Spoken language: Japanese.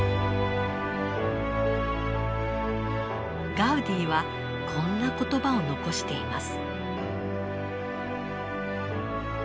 ガウディはこんな言葉を残しています。